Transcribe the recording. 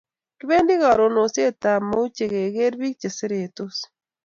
Kipendi karun oset ab mauche keker pik che seretos